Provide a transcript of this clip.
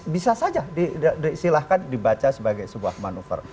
bisa saja disilahkan dibaca sebagai sebuah manuver